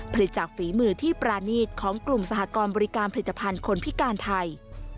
ผลิตจากฝีมือที่ปรานีตของกลุ่มสหกรณ์บริการผลิตภัณฑ์คนพิการไทย